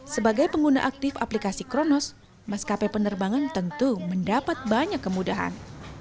sebagai pengguna aktif aplikasi kronos maskapai penerbangan tentu mendapat banyak kemudahan